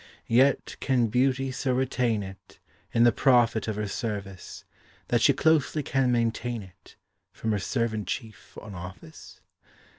Yet, can beauty so retain it, In the profit of her service, That she closely can maintain it For her servant chief on office?